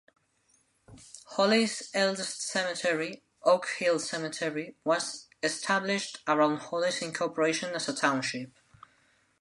Holly's oldest cemetery, Oak Hill Cemetery, was established around Holly's incorporation as a Township.